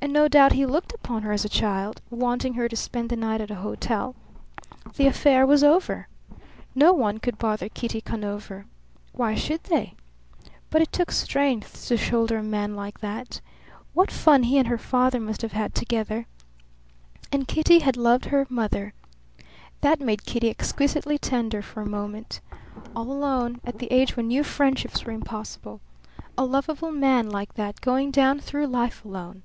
And no doubt he looked upon her as a child, wanting her to spend the night at a hotel! The affair was over. No one would bother Kitty Conover. Why should they? But it took strength to shoulder a man like that. What fun he and her father must have had together! And Cutty had loved her mother! That made Kitty exquisitely tender for a moment. All alone, at the age when new friendships were impossible. A lovable man like that going down through life alone!